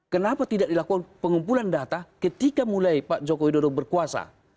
kenapa tidak dilakukan pengumpulan data ketika mulai pak jokowi dodo berkuasa